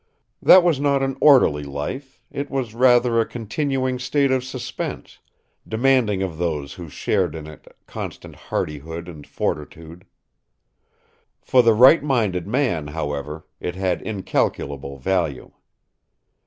That was not an orderly life; it was rather a continuing state of suspense, demanding of those who shared in it constant hardihood and fortitude. For the right minded man, however, it had incalculable value.